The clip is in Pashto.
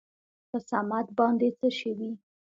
په صمد باندې څه شوي ؟